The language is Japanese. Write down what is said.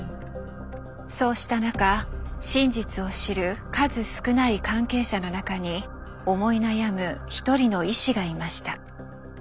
そうした中真実を知る数少ない関係者の中に思い悩む一人の医師がいました。